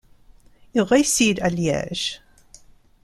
Il réside à Liège.